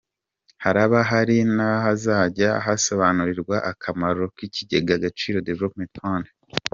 Haraba hari n’ahazajya hasobanurirwa akamaro k’ikigega “Agaciro Development Fund”.